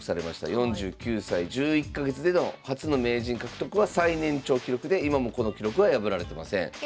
４９歳１１か月での初の名人獲得は最年長記録で今もこの記録は破られてません。ね！